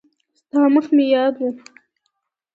ستا مخ مې یاد و.